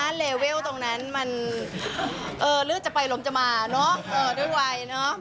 แต่ณเลเวลตรงนั้นมันเออลืดจะไปลงจะมาเนาะเออด้วยวายเนาะ